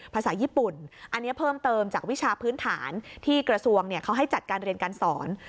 ภาษาญี่ปุ่นอันนี้เพิ่มเติมจากวิชาพื้นฐานที่กระทรวงเขาให้จัดการเรียนการสอน